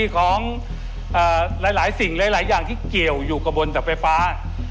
ของหลายสิ่งหลายอย่างที่เกี่ยวอยู่กับบนดับไฟฟ้า